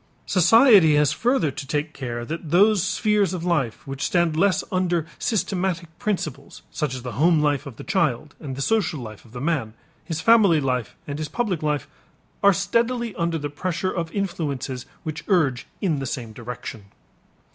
Society has further to take care that those spheres of life which stand less under systematic principles, such as the home life of the child and the social life of the man, his family life and his public life, are steadily under the pressure of influences which urge in the same direction.